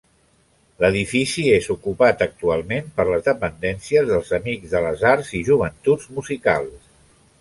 L'edifici és ocupat actualment per les dependències dels Amics de les Arts i Joventuts Musicals.